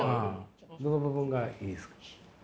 どの部分がいいですか？